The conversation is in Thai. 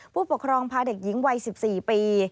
ผู้ปกครองพาเด็กหญิงวัย๑๔ปี